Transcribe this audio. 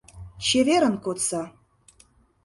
Чеверын кодса!»